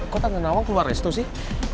kau tak kenal aku keluar dari situ sih